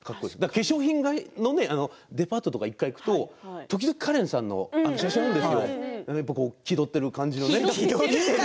化粧品のデパートに行くと時々カレンさんの写真があるんですけど気取っている感じのね。